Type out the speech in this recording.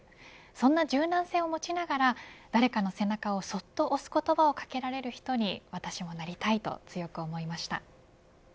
そんな柔軟性を持ちながら誰かの背中をそっと押す言葉をかけられるような人に私もなりたいと強く思いました。